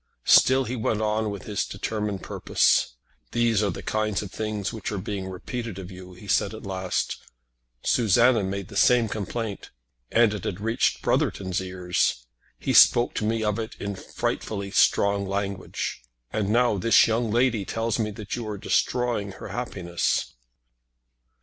Still he went on with his determined purpose. "These are the kind of things which are being repeated of you," he said at last. "Susanna made the same complaint. And it had reached Brotherton's ears. He spoke to me of it in frightfully strong language. And now this young lady tells me that you are destroying her happiness."